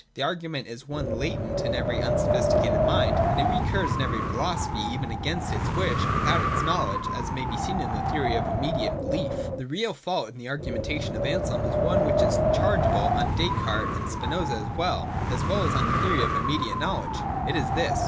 The argument is one latent in every unsophisticated mind, and it recurs in every philosophy, even against its wish and without its knowledge — as may be seen in the theory of immediate belief. The real fault in the argumentation of Anselm is one which is chargeable on Descartes and Spinoza, as well as on the theory of immediate knowledge. It is this.